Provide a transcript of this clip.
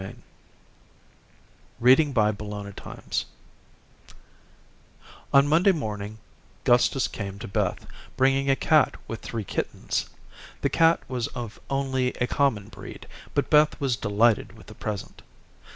CHAPTER III Beth's First Fishing Lesson On Monday morning, Gustus came to Beth, bringing a cat with three kittens. The cat was of only a common breed, but Beth was delighted with the present.